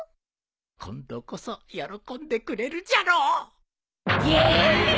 今度こそ喜んでくれるじゃろうげえええ！？